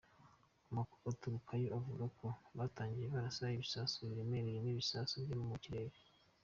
Amakuru aturukayo avuga ko batangiye barasa ibisasu biremereye n'ibisasu byo mu kirere.